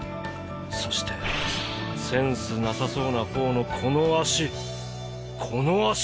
そしてセンスなさそうな方のこの脚。